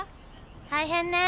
大変ね。